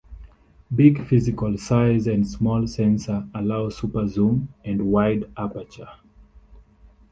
Big physical size and small sensor allow superzoom and wide aperture.